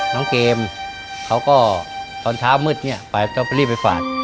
น้องเกมเขาก็ตอนเช้ามืดเนี่ยไปต้องไปรีบไปฝาก